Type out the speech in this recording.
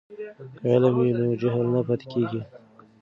که علم وي نو جهل نه پاتې کیږي.